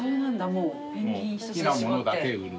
もう好きな物だけ売る。